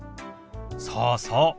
そうそう。